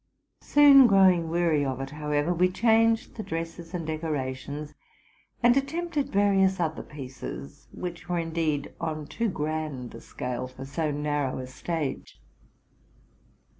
Soon growing weary of it, how ever, we changed the dresses and decorations, and attempted various other pieces, which were indeed on too grand a scale for so narrow astage.